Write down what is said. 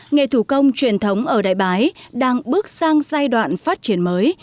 nghề thủ công truyền thống ở đại bái đang bước sang giai đoạn phát triển mới